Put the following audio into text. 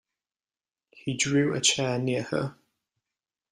He drew a chair near her.